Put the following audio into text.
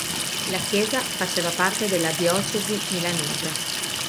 La chiesa faceva parte della diocesi milanese.